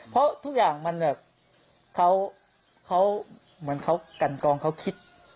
เพราะทุกอย่างมันแบบเขาเหมือนเขากันกองเขาคิด